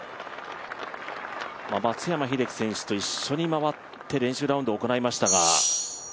松山英樹選手と一緒に回って練習ラウンドを行いましたが。